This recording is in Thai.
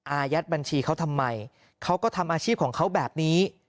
อายัดบัญชีเขาทำไมเขาก็ทำอาชีพของเขาแบบนี้